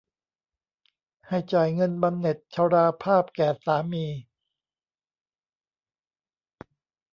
ให้จ่ายเงินบำเหน็จชราภาพแก่สามี